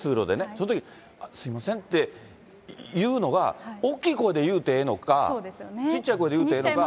そのときに、すみませんって言うのが、大きい声で言うてええのか、小っちゃい声で言うてええのか。